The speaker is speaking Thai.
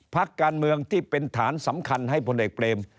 พักการเมืองที่เป็นฐานสำคัญให้พลเอกเปรม